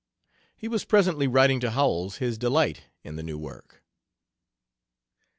He was presently writing to Howells his delight in the new work.